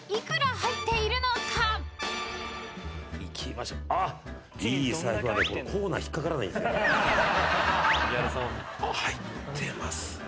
入ってますね。